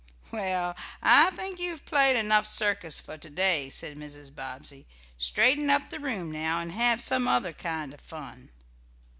"Well, I think you have played enough circus for to day," said Mrs. Bobbsey "Straighten up the room now, and have some other kind of fun."